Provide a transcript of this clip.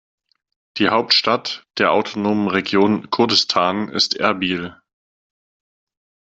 Die Hauptstadt der autonomen Region Kurdistan ist Erbil.